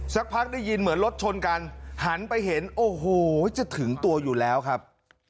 สักพักได้ยินเหมือนรถชนกันหันไปเห็นโอ้โหจะถึงตัวอยู่แล้วครับ